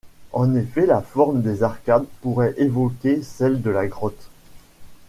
En effet, la forme des arcades pourrait évoquer celle de la grotte.